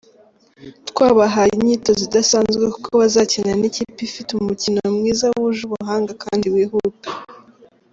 Twabahaye imyitozo idasanzwe kuko bazakina n’ikipe ifite umukino mwiza, wuje ubuhanga kandi wihuta.